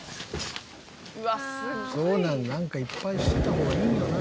こんなんなんかいっぱいしといた方がいいよな。